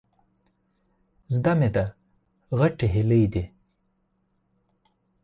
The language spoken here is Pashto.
زده مې ده، غټې هيلۍ دي.